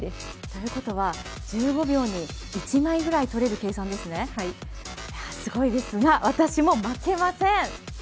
ということは１５秒に１枚くらいとれる計算ですねすごいですが、私も負けません。